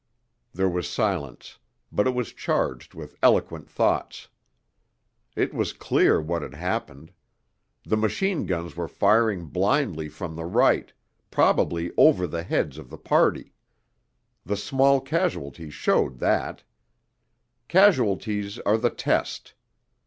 There was silence, but it was charged with eloquent thoughts. It was clear what had happened. The machine guns were firing blindly from the right, probably over the heads of the party. The small casualties showed that. Casualties are the test.